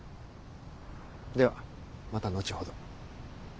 ではまた後ほど。